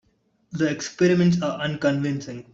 The experiments are unconvincing.